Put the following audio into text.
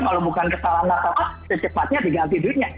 kalau bukan kesalahan atau apa secepatnya diganti duitnya